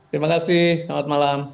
terima kasih selamat malam